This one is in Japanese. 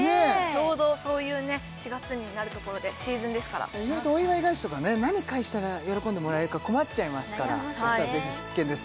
ちょうどそういうね４月になるところでシーズンですから意外とお祝い返しとかね何返したら喜んでもらえるか困っちゃいますからぜひ必見です